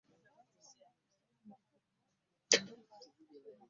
Kati musawo akuyambye atya?